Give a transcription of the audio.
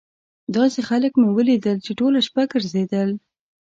داسې خلک مې ولیدل چې ټوله شپه ګرځېدل.